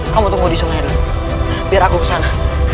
kamu tunggu di sungai biar aku kesana